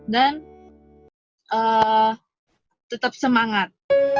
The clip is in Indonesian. dan tetap semangat